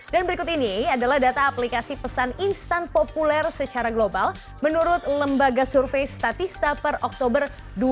dan berikut ini adalah data aplikasi pesan instan populer secara global menurut lembaga survei statista per oktober dua ribu delapan belas